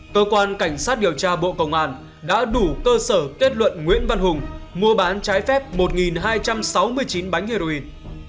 cơ quan cảnh sát điều tra bộ công an đã đủ cơ sở kết luận nguyễn văn hùng mua bán trái phép một hai trăm sáu mươi chín bánh heroin